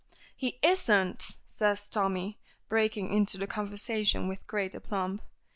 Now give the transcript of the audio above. "He isn't!" says Tommy, breaking into the conversation with great aplomb.